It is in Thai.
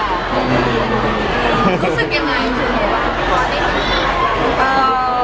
รู้สึกอย่างไรเปล่า